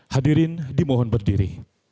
hadirin dimohon berdiri